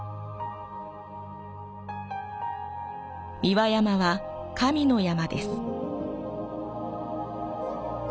三輪山は神の山です。